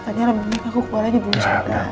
akhirnya lama lama aku kebual lagi dulu